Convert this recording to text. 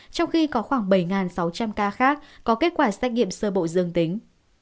trong khi có khoảng bảy sáu trăm linh ca khác có kết quả xét nghiệm sơ bộ dương tính